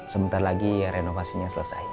sebentar lagi renovasinya selesai